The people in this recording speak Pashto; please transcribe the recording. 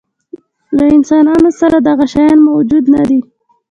له انسانانو پرته دا شیان هېڅ موجود نهدي.